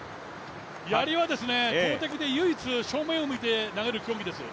やりは、投てきで唯一正面を向いて投げる競技です。